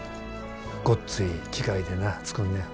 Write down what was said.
ごっつい機械でな作んねや。